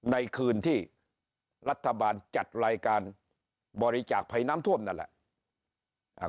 ในคืนที่รัฐบาลจัดรายการบริจาคภัยน้ำท่วมนั่นแหละ